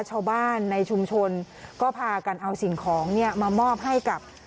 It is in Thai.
ชาวบ้านในชุมชนก็พากันเอาสิ่งของเนี่ยมามอบให้กับ